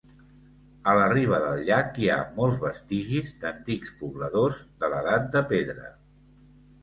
A la riba del llac hi ha molts vestigis d'antics pobladors de l'edat de Pedra.